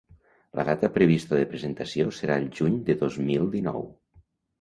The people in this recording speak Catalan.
La data prevista de presentació serà el juny de dos mil dinou.